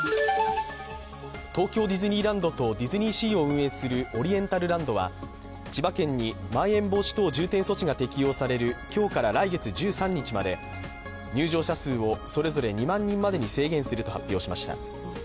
東京ディズニーランドとディズニーシーを運営するオリエンタルランドは千葉県にまん延防止措置重点措置が適用される今日から来月１３日まで、入場者数をそれぞれ２万人までに制限すると発表しました。